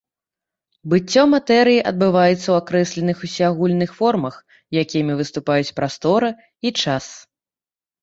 Быццё матэрыі адбываецца ў акрэсленых усеагульных формах, якімі выступаюць прастора і час.